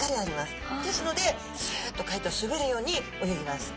ですのでスッと海底をすべるように泳ぎます。